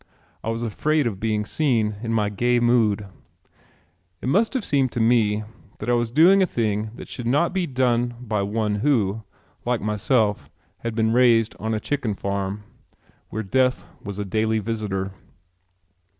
I was afraid of being seen in my gay mood. It must have seemed to me that I was doing a thing that should not be done by one who, like myself, had been raised on a chicken farm where death was a daily visitor.